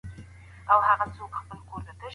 د اسلام مبارک دين زموږ د زړونو مالګین دی.